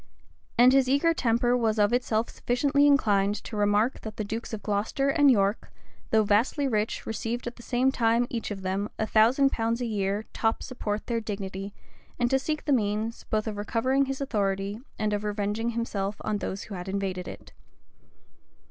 And his eager temper was of itself sufficiently inclined to remark that the dukes of Glocester and York, though vastly rich received at the same time each of them a thousand pounds a year top support their dignity and to seek the means, both of recovering his authority, and of revenging himself on those who had invaded it.